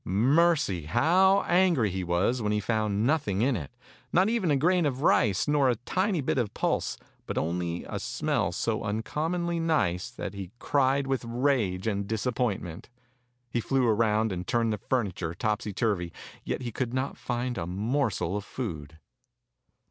Mercy ! how angry he was when he found nothing in it — not even a grain of rice, nor a tiny bit of pulse, but only a smell so uncommonly nice that he 107 Fairy Tale Bears cried with rage and disappointment. He flew around and turned the furniture topsy turvy, yet he could not And a morsel of food.